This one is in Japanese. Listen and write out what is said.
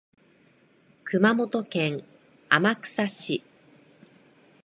熊本県天草市